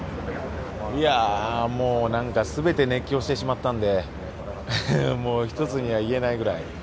いや、もう全て熱狂してしまったんでもう、一つには言えないぐらい。